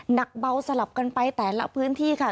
หนักเบาสลับกันไปแต่ละพื้นที่ค่ะ